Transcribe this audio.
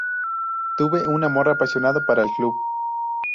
Tuve un amor apasionado para el club.